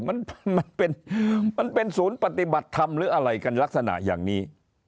มันมันเป็นมันเป็นศูนย์ปฏิบัติธรรมหรืออะไรกันลักษณะอย่างนี้